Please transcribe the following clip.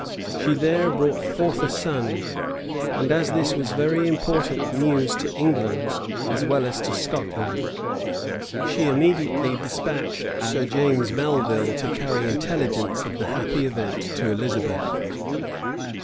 She there brought forth a son; and as this was very important news to England, as well as to Scotland, she immediately despatched Sir James Melvil to carry intelligence of the happy event to Elizabeth.